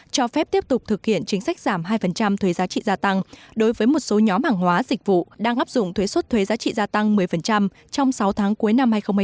cho phép tiếp tục thực hiện chính sách giảm hai thuế giá trị gia tăng đối với một số nhóm hàng hóa dịch vụ đang áp dụng thuế xuất thuế giá trị gia tăng một mươi trong sáu tháng cuối năm hai nghìn một mươi chín